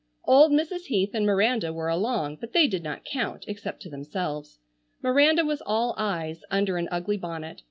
Old Mrs. Heath and Miranda were along, but they did not count, except to themselves. Miranda was all eyes, under an ugly bonnet.